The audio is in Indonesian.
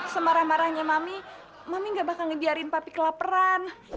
semarah marahnya mami mami nggak bakal ngejariin papi kelaperan